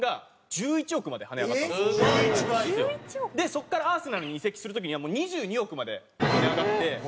そこからアーセナルに移籍する時にはもう２２億まで跳ね上がって。